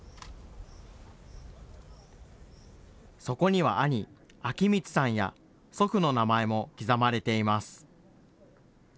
そこには兄、章光さんや、祖父の名前も刻まれています。